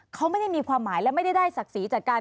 เขาไม่ได้มีความหมายและไม่ได้ได้ศักดิ์ศรีจากการ